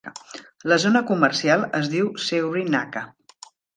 La zona comercial es diu "Sewri Naka".